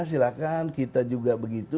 silahkan kita juga begitu